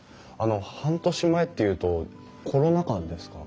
半年前っていうとコロナ禍ですか？